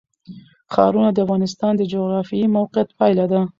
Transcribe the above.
ښارونه د افغانستان د جغرافیایي موقیعت پایله ده.